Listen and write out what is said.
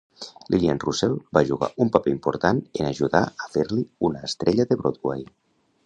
Lillian Russell va jugar un paper important en ajudar a fer-li una estrella de Broadway.